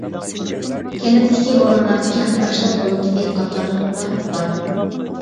كەنتتىكى ئورۇنلار كەنت ئاشلىق پونكىتى قاتارلىقلار بار.